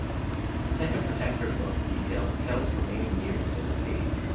The second Protector book details Kel's remaining years as a page.